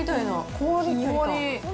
氷、氷。